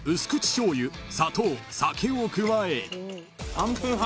３分半。